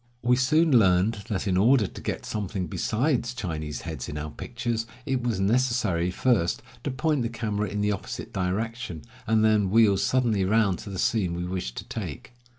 We soon learned that in order to get something besides Chinese heads in our pictures it was necessary first to point the camera in the opposite direction, and then wheel suddenly round to the 180 Across Asia on a Bicycle scene we wished to take.